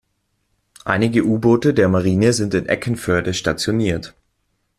Einige U-Boote der Marine sind in Eckernförde stationiert.